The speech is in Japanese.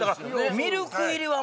ミルク入りは。